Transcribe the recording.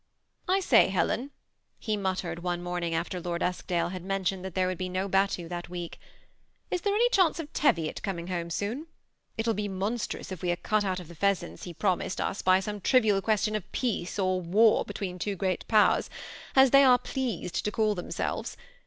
'* I say, Helen," he muttered one morning after Lord Eskdale had mentioned that there would be no hattue that week, ^ is there any chance of Teviot coming home soon ? It will be monstrous if we are cut out of the pheasants he promised us by some trivial question of peace or war between two great powers, as they are pleased to caU themselves.